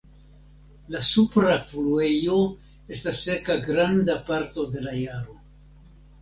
La supra fluejo estas seka granda parto de la jaro.